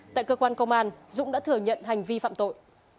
tại cơ quan công an dũng đã thừa nhận hành vi phạm tội